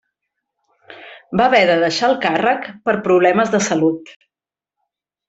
Va haver de deixar el càrrec per problemes de salut.